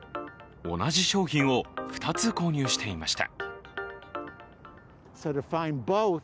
同じ商品を２つ購入していました。